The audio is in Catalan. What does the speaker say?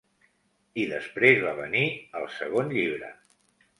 I després va venir el segon llibre.